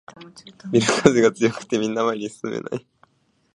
ビル風が強くてみんな前に進めない